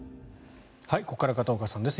ここから片岡さんです。